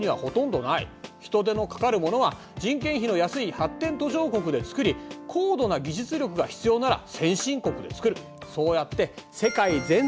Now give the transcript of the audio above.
人手のかかるものは人件費の安い発展途上国で作り高度な技術力が必要なら先進国で作る。